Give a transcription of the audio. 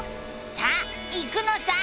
さあ行くのさ！